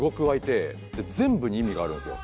全部に意味があるんですよ。